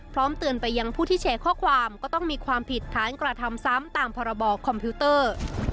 พร้อมเตือนไปยังผู้ที่แชร์ข้อความก็ต้องมีความผิดฐานกระทำซ้ำตามพรบคอมพิวเตอร์